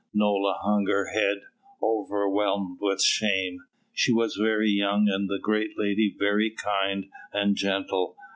Nola hung her head, overwhelmed with shame. She was very young and the great lady very kind and gentle.